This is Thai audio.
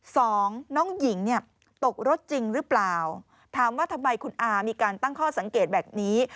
สองน้องหญิงเนี่ยตกรถจริงหรือเปล่าถามว่าทำไมคุณอามีการตั้งข้อสังเกตแบบนี้